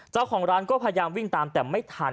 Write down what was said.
เจ้าของร้านก็พยายามวิ่งตามแต่ไม่ทัน